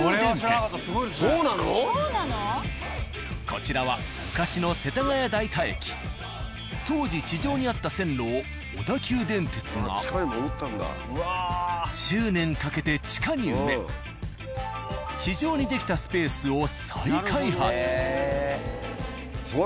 こちらは当時地上にあった線路を小田急電鉄が１０年かけて地下に埋め地上に出来たスペースを再開発。